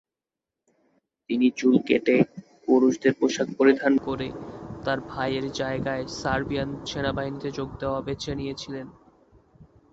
তিনি চুল কেটে, পুরুষদের পোশাক পরিধান করে তাঁর ভাইয়ের জায়গায় সার্বিয়ান সেনাবাহিনীতে যোগ দেওয়া বেছে নিয়েছিলেন।